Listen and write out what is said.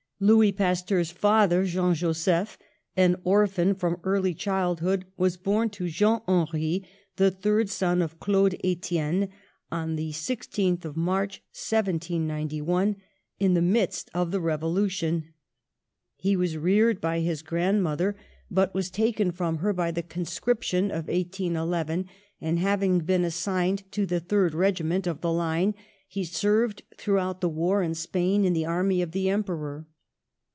Louis Pasteur's father, Jean Joseph, an or phan from early childhood, was born to Jean Henri, the third son of Claude Etienne, on the 16th of March, 1791, in the midst of the Revo lution. He was reared by his grandmother, but A STUDIOUS BOYHOOD 3 was taken from her by the conscription in 1811, and, having been assigned to the 3rd regiment of the hne, he served throughout the war in Spain in the army of the Emperor.